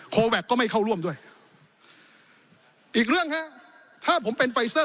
แวคก็ไม่เข้าร่วมด้วยอีกเรื่องฮะถ้าผมเป็นไฟเซอร์